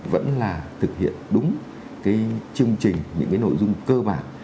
vẫn là thực hiện đúng cái chương trình những cái nội dung cơ bản